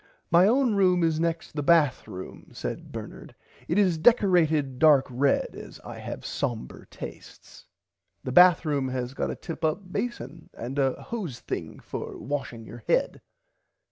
My own room is next the bath room said Bernard it is decerated dark red as I have somber tastes. The bath room has got a tip up bason and a hose thing for washing your head.